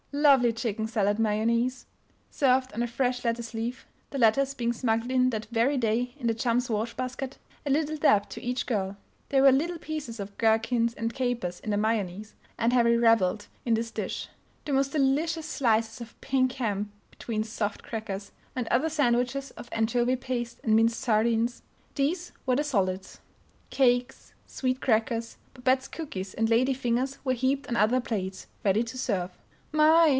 Lovely chicken salad mayonnaise, served on a fresh lettuce leaf (the lettuce being smuggled in that very day in the chums' wash basket) a little dab to each girl. There were little pieces of gherkins and capers in the mayonnaise, and Heavy reveled in this dish. The most delicious slices of pink ham between soft crackers and other sandwiches of anchovy paste and minced sardines. These were the "solids." Cakes, sweet crackers, Babette's cookies and lady fingers were heaped on other plates, ready to serve. "My!"